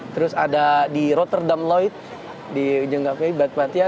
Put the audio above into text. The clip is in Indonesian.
terus ada di rotterdam lloyd di jenggavei bat patia